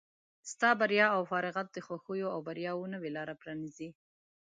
ستا بریا او فارغت د خوښیو او بریاوو نوې لاره پرانیزي.